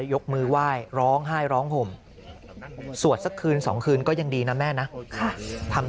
ยกมือไหว้ร้องไห้ร้องห่มสวดสักคืน๒คืนก็ยังดีนะแม่นะทำ